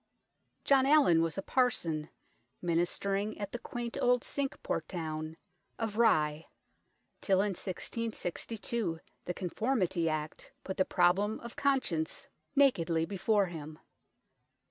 John Allin was a parson, ministering at the quaint old Cinque Port town of Rye, till in 1662 the Conformity Act put the problem of conscience nakedly before him.